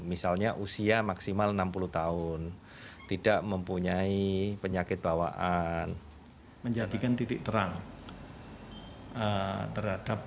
misalnya usia maksimal enam puluh tahun tidak mempunyai penyakit bawaan menjadikan titik terang terhadap